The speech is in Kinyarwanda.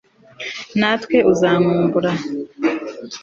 ntawe uzankumbura